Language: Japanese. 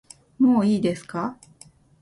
もういいですか